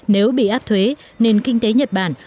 nếu bị áp thuế nền kinh tế nhật bản